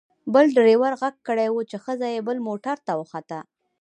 بل ډریور غږ کړی و چې ښځه یې بل موټر ته وخوته.